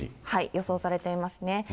予想されてますね。